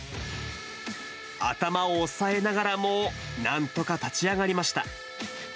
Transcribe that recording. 頭を押さえながらも、なんとか立ち上がりました。